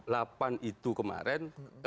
lapan itu kemarin